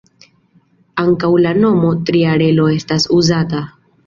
Ankaŭ la nomo ""tria relo"" estas uzata.